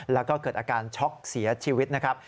แล้วก็เกิดอาการช็อกเสียชีวิตนะครับ